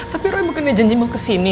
tapi roy bukannya janji mau kesini